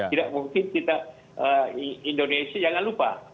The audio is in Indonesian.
tidak mungkin kita indonesia jangan lupa